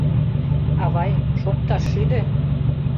Авай, шокташ шӱдӧ.